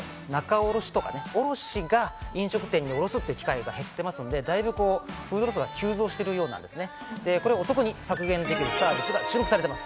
今コロナ禍で仲卸が飲食店に卸すという機会が減っていますが、フードロスが急増しているようなんですね。